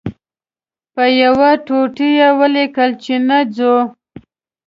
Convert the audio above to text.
په یوه ټوټو یې ولیکل چې نه ځو.